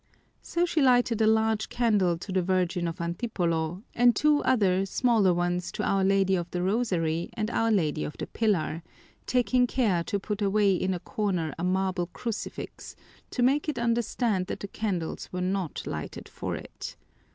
So she lighted a large candle to the Virgin of Antipolo and two other smaller ones to Our Lady of the Rosary and Our Lady of the Pillar, taking care to put away in a corner a marble crucifix to make it understand that the candles were not lighted for it.